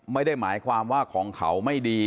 ไม่ได้หมายความว่าของเขาไม่ดี